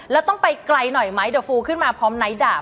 แล้วต้องไปไกลหน่อยไหมเดี๋ยวฟูขึ้นมาพร้อมไนท์ดาบ